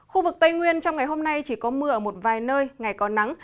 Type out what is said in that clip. khu vực tây nguyên trong ngày hôm nay chỉ có mưa ở một vài nơi ngày có nắng